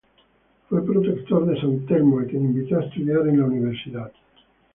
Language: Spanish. Fue protector de San Telmo, a quien invitó a estudiar en la universidad.